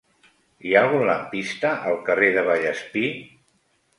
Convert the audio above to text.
Hi ha algun lampista al carrer de Vallespir?